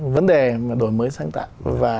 vấn đề đổi mới sáng tạo